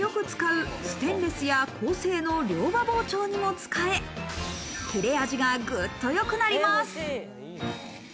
家庭でよく使うステンレスや鋼製の両刃包丁にも使え、切れ味がぐっと良くなります。